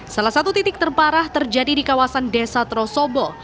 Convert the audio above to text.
salah satu titik terparah terjadi di kawasan desa trosobo